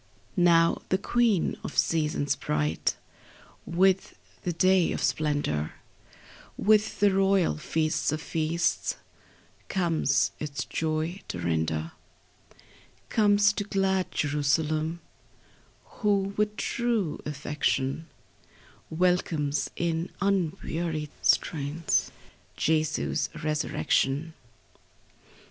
35 Now the queen of seasons, bright With the day of splendor, With the royal feast of feasts, Comes its joy to render ; Comes to glad Jerusalem, Who with true affection Welcomes, in unwearied strains, Jesu's resurrection.